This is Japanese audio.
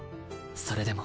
それでも。